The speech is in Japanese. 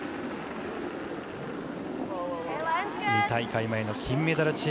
２大会前の金メダル